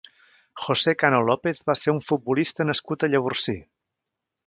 José Cano López va ser un futbolista nascut a Llavorsí.